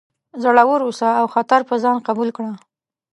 زړور اوسه او خطر په ځان قبول کړه.